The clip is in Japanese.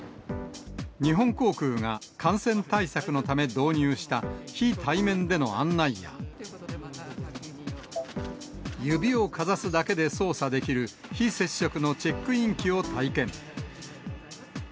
日本航空が感染対策のため導入した、非対面での案内や、指をかざすだけで操作できる、非接触のチェックイン機を体験。